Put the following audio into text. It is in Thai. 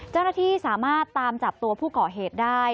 เจ้าหน้าที่สามารถตามจับตัวผู้ก่อเหตุได้